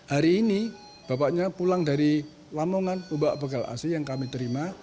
hari ini bapaknya pulang dari lamongan membawa begal ac yang kami terima